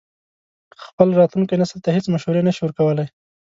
خپل راتلونکي نسل ته هېڅ مشورې نه شي ورکولای.